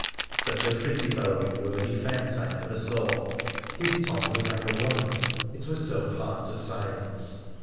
Such a pretty fellow in wordy fence I never saw : his tongue was like a woman's, it was so hard to silence.